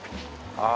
ああ。